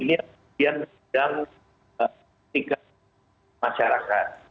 ini yang sedang tingkat masyarakat